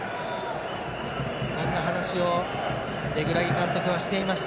そんな話をレグラギ監督はしていました。